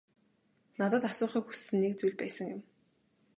Надад асуухыг хүссэн нэг зүйл байсан юм.